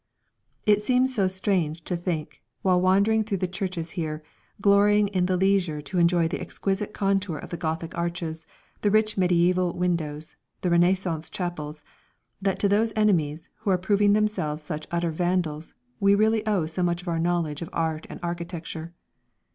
It seems so strange to think, while wandering through the churches here, glorying in the leisure to enjoy the exquisite contour of the Gothic arches, the rich mediæval windows, the Renaissance chapels, that to those enemies, who are proving themselves such utter Vandals, we really owe so much of our knowledge of Art and Architecture.